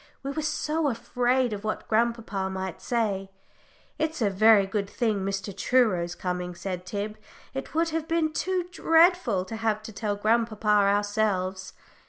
We were so afraid of what grandpapa might say. "It's a very good thing Mr. Truro's coming," said Tib. "It would have been too dreadful to have had to tell grandpapa ourselves."